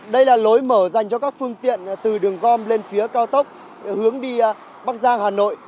đây là lối mở dành cho các phương tiện từ đường gom lên phía cao tốc hướng đi bắc giang hà nội